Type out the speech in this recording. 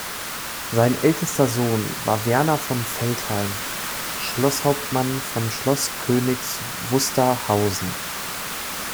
Sein ältester Sohn war Werner von Veltheim, Schlosshauptmann von Schloss Königs Wusterhausen.